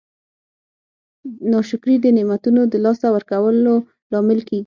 ناشکري د نعمتونو د لاسه ورکولو لامل کیږي.